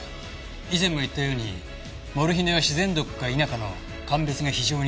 以前も言ったようにモルヒネは自然毒か否かの鑑別が非常に難しいんです。